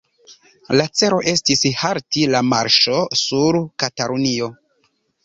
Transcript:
La celo estis halti la marŝo sur Katalunio.